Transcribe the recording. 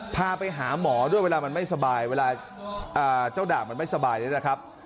พาไปหาหมอด้วยเวลามันไม่สบายเวลาเจ้าด่างมันไม่สบายเนี่ยนะครับ